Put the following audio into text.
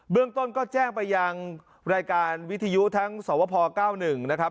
เรื่องต้นก็แจ้งไปยังรายการวิทยุทั้งสวพ๙๑นะครับ